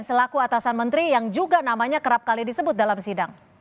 selaku atasan menteri yang juga namanya kerap kali disebut dalam sidang